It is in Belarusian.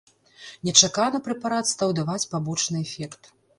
Нечакана прэпарат стаў даваць пабочны эфект.